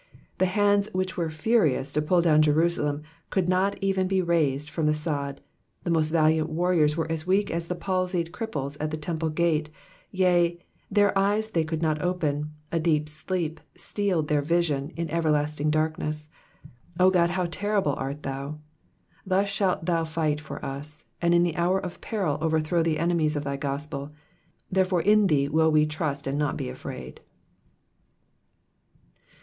The hands which were furious to pull down Jerusalem, could not even be raised from the sod, the most valiant warriors were as weak as the palsied cripples at the temple gate, yea, their eyes they could not open, a deep sleep sealed their vision in everlasting darkness. O God, how terrible are thou ! Thus shalt thou fight for us, and in the hour of peril overthrow the enemies of thy gospel. Therefore in thee will we trust and not be afraid.